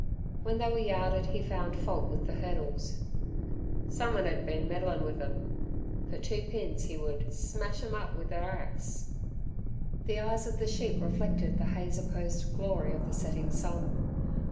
When they were yarded he found fault with the hurdles. "Some un 'ad been meddlin' with 'em." For two pins he would "smash 'em up with ther axe". The eyes of the sheep reflected the haze opposed glory of the setting sun.